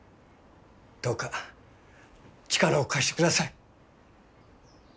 どうか力を貸してください。